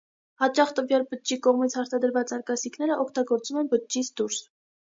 Հաճախ տվյալ բջջի կողմից արտադրված արգասիքները օգտագործվում են բջջից դուրս։